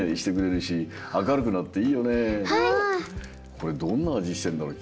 これどんなあじしてるんだろう